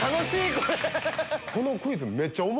これ。